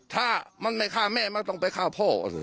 ถ้ามันไม่ฆ่าแม่มันต้องไปฆ่าพ่อสิ